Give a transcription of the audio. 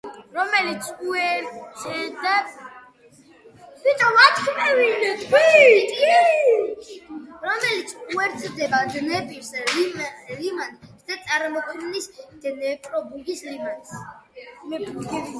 რომელიც უერთდება დნეპრის ლიმანს და წარმოქმნის დნეპრო-ბუგის ლიმანს.